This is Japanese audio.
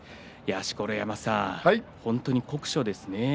錣山さん、本当に酷暑ですね。